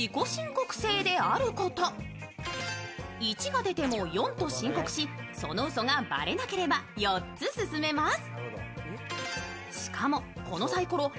１が出ても４と申告し、そのうそがばれなければ４つ進めます。